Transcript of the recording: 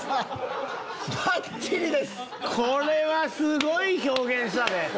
これはすごい表現したで。